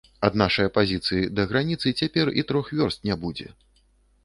Ад нашае пазіцыі да граніцы цяпер і трох вёрст не будзе.